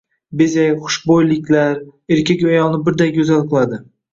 Bezak, xushbo‘yliklar erkagu ayolni birday go‘zal qiladi.